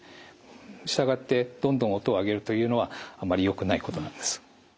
従ってどんどん音を上げるというのはあんまりよくないことなんです。